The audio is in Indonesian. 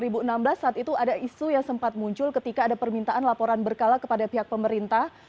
saat itu ada isu yang sempat muncul ketika ada permintaan laporan berkala kepada pihak pemerintah